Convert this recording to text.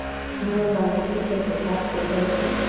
نه ورباندې فکري حساب کېدای شي.